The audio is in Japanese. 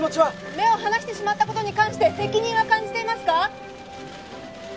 「目を離してしまった事に関して責任は感じていますか？」